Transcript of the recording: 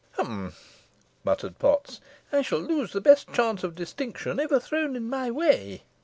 "Hum!" muttered Potts; "I shall lose the best chance of distinction ever thrown in my way."